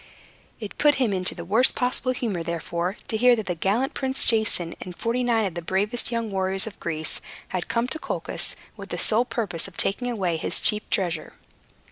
It put him into the worst possible humor, therefore, to hear that the gallant Prince Jason, and forty nine of the bravest young warriors of Greece, had come to Colchis with the sole purpose of taking away his chief treasure.